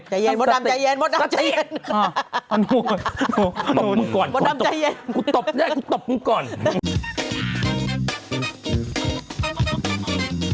ใจเย็นหมดดำใจเย็น